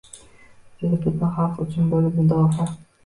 Siz butun xalq uchun bo’lib mudofaa